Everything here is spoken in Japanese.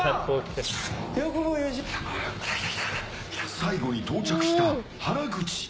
最後に到着した原口。